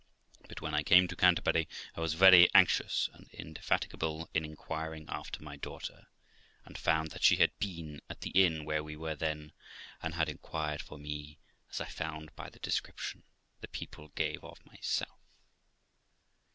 But when I came to Canterbury I was very anxious and indefatigable in inquiring after my daughter, and I found that she had been at the inn where we then were, and had inquired for me, as I found by the description the people gave of myself.